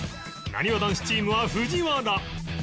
なにわ男子チームは藤原